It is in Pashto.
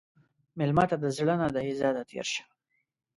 مېلمه ته د زړه نه د عزت تېر شه.